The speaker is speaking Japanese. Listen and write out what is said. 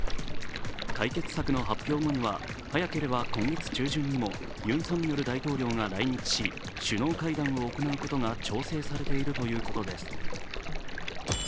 解決策の発表後には、早ければ今月中旬にもユン・ソンニョル大統領が来日し、首脳会談を行うことが調整されているということです。